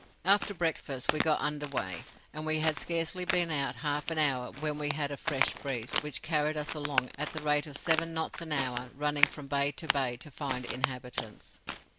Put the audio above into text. After breakfast, we got under weigh; and we had scarcely been out half an hour when we had a fresh breeze, which carried us along at the rate of seven knots an hour, running from bay to bay to find inhabitants.